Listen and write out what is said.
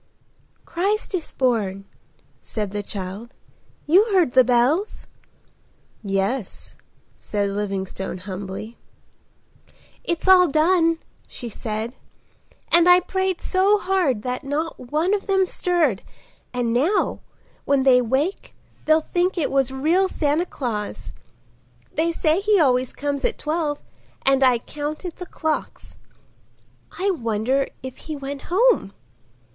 "Christ is born," said the child. "You heard the bells?" "Yes," said Livingstone humbly. "It's all done," she said; "and I prayed so hard that not one of them stirred, and now when they wake they'll think it was real Santa Claus. They say he always comes at twelve and I counted the clocks.—I wonder if he went home?"